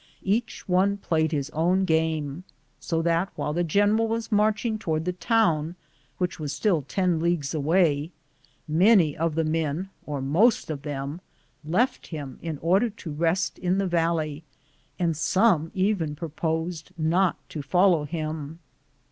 Each one played his own game, so that while the general was marching toward the town, which was still 10 leagues away, many of the men, or most of them, left him in order to rest in the valley, and some even proposed not to follow him.